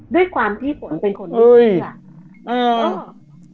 ด้วยความที่ฝนเป็นคนดูดี้อะ